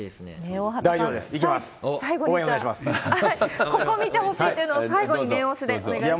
大畑さん、最後に、ここ見てほしいというのを最後に念押しでお願いします。